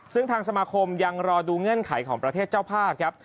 ซึ่งทางสมาคมยังรอดูเงื่อนไขของประเทศเจ้าภาพครับ